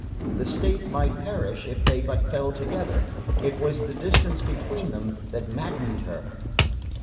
The state might perish if they but fell together. It was the distance between them that maddened her.